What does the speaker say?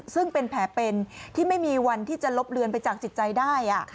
ซึ่งเป็นแผลเป็นที่ไม่มีวันที่จะลบเลือนไปจากจิตใจได้